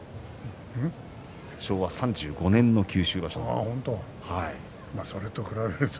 昭和３５年の九州場所です。